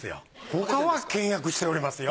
他は倹約しておりますよ。